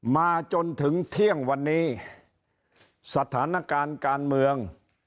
มาจนถึงเที่ยงวันนี้สถานการณ์การเมือง